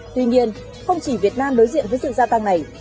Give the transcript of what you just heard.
tuy nhiên không chỉ việt nam đối diện với sự gia tăng này